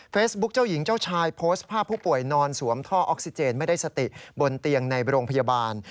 เจ้าหญิงเจ้าชายโพสต์ภาพผู้ป่วยนอนสวมท่อออกซิเจนไม่ได้สติบนเตียงในโรงพยาบาล